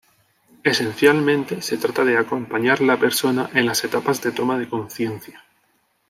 Esencialmente, se trata de acompañar la persona en las etapas de toma de conciencia.